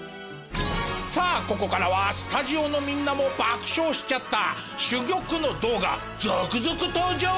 さあここからはスタジオのみんなも爆笑しちゃった珠玉の動画続々登場！